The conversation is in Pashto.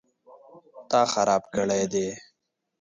_تا خراب کړی دی؟